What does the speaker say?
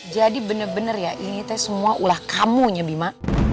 jadi bener bener ya ini teh semua ulah kamu ya bima